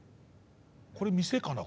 これ店かな？